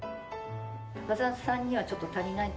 高田さんにはちょっと足りないと。